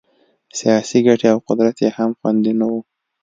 سیاسي ګټې او قدرت یې هم خوندي نه وو.